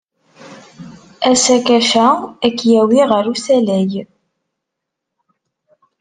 Asakac-a ad k-yawey ɣer usalay.